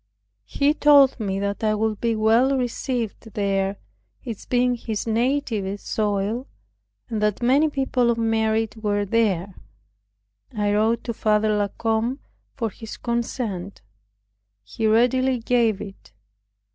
He told me that I would be well received there, it being his native soil, and that many people of merit were there. I wrote to Father La Combe for his consent. He readily gave it.